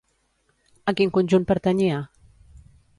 A quin conjunt pertanyia?